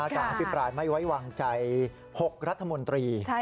การอภิปรายไม่ไว้วางใจ๖รัฐมนตรี